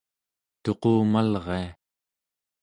tuqumalria